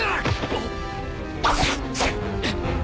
あっ。